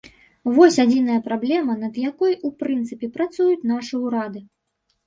Вось адзіная праблема, над якой у прынцыпе працуюць нашы ўрады.